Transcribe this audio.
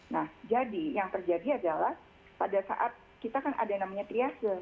nah jadi yang terjadi adalah pada saat kita kan ada yang namanya triase